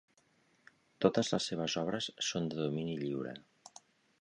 Totes les seves obres són de domini lliure.